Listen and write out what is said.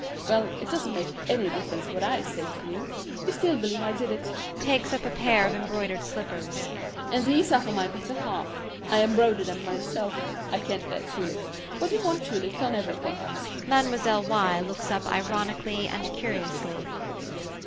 Well, it doesn't make any difference what I say to you. You still believe I did it. [Takes up a pair of embroidered slippers.] And these are for my better half. I embroidered them myself I can't bear tulips, but he wants tulips on everything. MLLE. Y. [Looks up ironically and curiously.